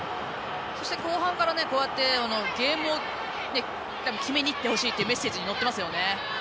そして、後半からこうやって、ゲームを決めにいってほしいというメッセージが乗ってますよね。